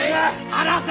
離せ！